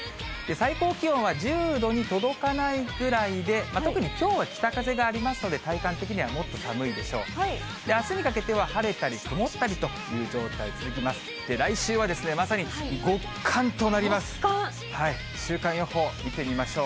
最高気温は１０度に届かないぐらいで、特にきょうは北風がありますので、体感的にはもっと寒いでしょう。